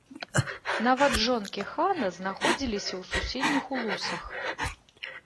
Нават жонкі хана знаходзіліся ў суседніх улусах.